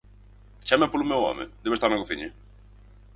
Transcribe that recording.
_Chame polo meu home, debe estar na cociña.